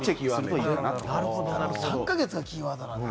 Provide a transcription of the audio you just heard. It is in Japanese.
３か月がキーワードなんだ。